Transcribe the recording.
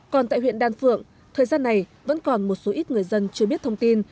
còn tại huyện đan phượng thời gian này vẫn còn một số ít người dân chưa biết thông tin